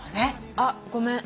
あっごめん。